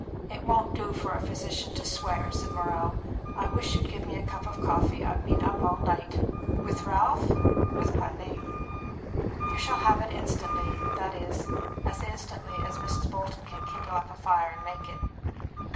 "It won't do for a physician to swear," said Morrell. "I wish you'd give me a cup of coffee. I've been up all night." "With Ralph?" "With Putney." "You shall have it instantly; that is, as instantly as Mrs. Bolton can kindle up a fire and make it."